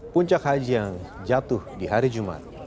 puncak haji yang jatuh di hari jumat